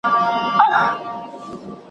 د ښکاري او د مېرمني ورته پام سو `